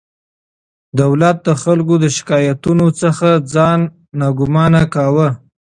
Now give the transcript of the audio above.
دولت د خلکو له شکایتونو څخه ځان ناګمانه کاوه.